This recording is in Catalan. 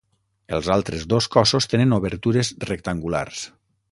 Els altres dos cossos tenen obertures rectangulars.